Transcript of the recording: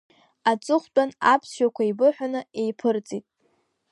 Аҵыхәтәан, аԥсшәақәа еибыҳәаны, еиԥырҵит.